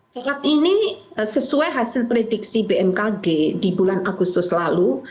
saat ini sesuai hasil prediksi bmkg di bulan agustus lalu